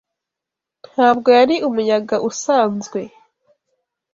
Ntabwo yari umuyaga usanzwe.